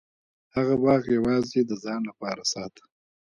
هغه باغ یوازې د ځان لپاره ساته.